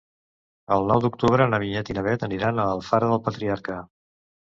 El nou d'octubre na Vinyet i na Bet aniran a Alfara del Patriarca.